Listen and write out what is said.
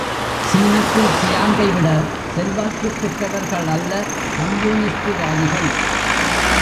சீனத்தில் சியாங்கைவிட, செல்வாக்குப் பெற்றவர்களல்ல கம்யூனிஸ்டுவாதிகள்.